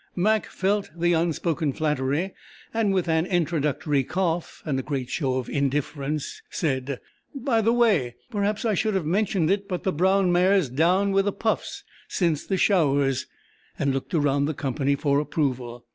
Mac felt the unspoken flattery, and with an introductory cough, and a great show of indifference, said: "By the way! Perhaps I should have mentioned it, but the brown mare's down with the puffs since the showers," and looked around the company for approval.